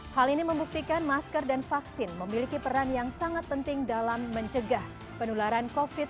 hal ini membuktikan masker dan vaksin memiliki peran yang sangat penting dalam mencegah penularan covid sembilan belas